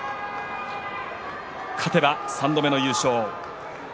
勝てば３度目の優勝。